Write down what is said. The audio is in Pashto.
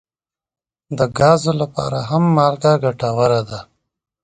د ګازو لپاره هم مالګه ګټوره ده.